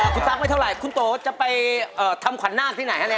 คุณตั๊กไม่เท่าไหร่คุณโตจะไปทำขวัญนาคที่ไหนฮะเนี่ย